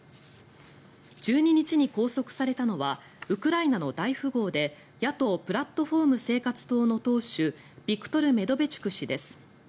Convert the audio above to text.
１２日に拘束されたのはウクライナの大富豪で野党プラットフォーム−生活党の党首ビクトル・メドベチュク氏です。